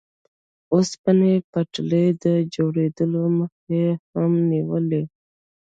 اوسپنې پټلۍ د جوړېدو مخه یې هم نیوله.